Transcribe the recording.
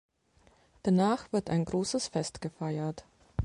Danach wird ein großes Fest gefeiert.